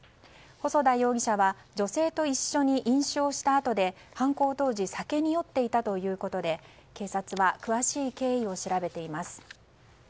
細田容疑者は女性と一緒に飲酒をしたあとで犯行当時、酒に酔っていたということで警察は詳しい経緯を調べています。